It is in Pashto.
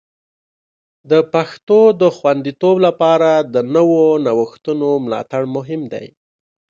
د پښتو د خوندیتوب لپاره د نوو نوښتونو ملاتړ مهم دی.